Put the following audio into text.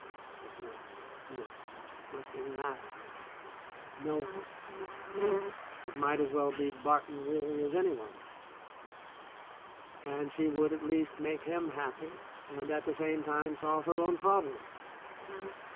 But no, no; nothing mattered now — no one — it might as well be Barton really as any one, and she would at least make him happy and at the same time solve her own problem.